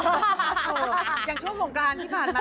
อย่างช่วงสงกรานที่ผ่านมา